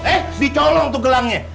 eh dicolong tuh gelangnya